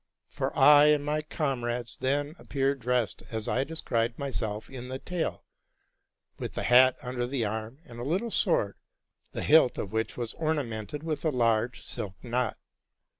79 for I and my comrades then appeared dressed as I described myself in the tale, with the hat under the arm, and a little sword, the hilt of which was ornamented with a large silk knot.